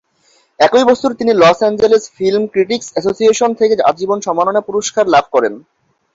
একই বছর তিনি Los Angeles film critics association থেকে আজীবন সম্মাননা পুরস্কার লাভ করেন।